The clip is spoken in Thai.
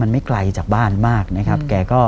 มันไม่ไกลจากบ้านมากนะครับแกก็